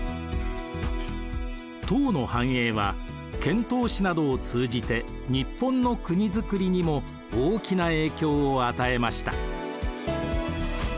唐の繁栄は遣唐使などを通じて日本の国づくりにも大きな影響を与えました。